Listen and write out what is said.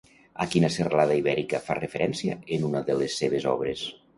A quina serralada ibèrica fa referència en una de les seves obres?